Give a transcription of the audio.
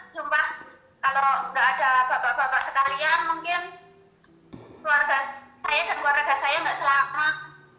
jumpa kalau nggak ada bapak bapak sekalian mungkin keluarga saya dan keluarga saya nggak selamat